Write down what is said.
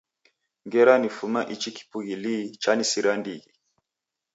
Ngera nifuma ichi kibughi lii chanisira ndighi